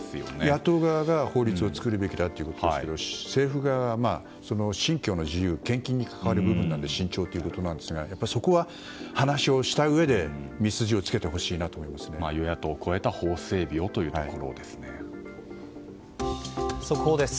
野党側が法律を作るべきだと言っているしそれを政府側は、信教の自由献金に関わる部分なので慎重ということなんですがそこは話をしたうえで与野党を超えた法整備を速報です。